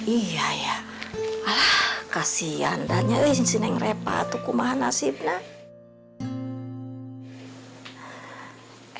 iya ya alah kasihan dan ini reva tuh kemana sih ibnah